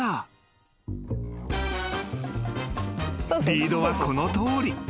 ［リードはこのとおり。